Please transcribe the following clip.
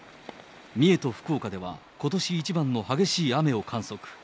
三重と福岡ではことし一番の激しい雨を観測。